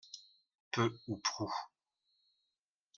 Peu ou prou.